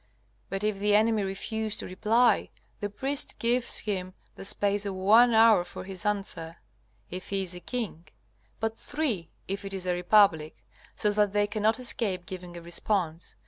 But if the enemy refuse to reply, the priest gives him the space of one hour for his answer, if he is a king, but three if it is a republic, so that they cannot escape giving a response.